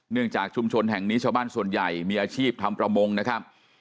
จากชุมชนแห่งนี้ชาวบ้านส่วนใหญ่มีอาชีพทำประมงนะครับ